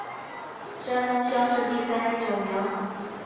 山东乡试第三十九名。